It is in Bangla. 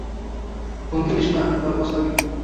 হুমকি দিস না, পরে পস্তাবি!